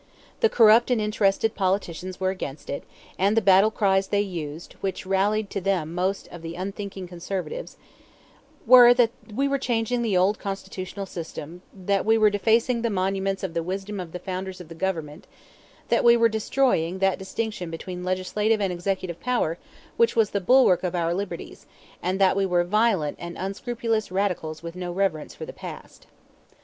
The corrupt and interested politicians were against it, and the battle cries they used, which rallied to them most of the unthinking conservatives, were that we were changing the old constitutional system, that we were defacing the monuments of the wisdom of the founders of the government, that we were destroying that distinction between legislative and executive power which was the bulwark of our liberties, and that we were violent and unscrupulous radicals with no reverence for the past.